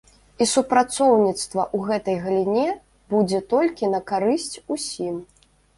І супрацоўніцтва ў гэтай галіне будзе толькі на карысць усім.